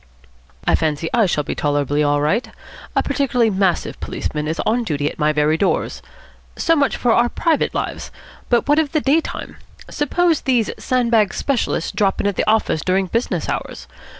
"I fancy I shall be tolerably all right. A particularly massive policeman is on duty at my very doors. So much for our private lives. But what of the day time? Suppose these sandbag specialists drop in at the office during business hours.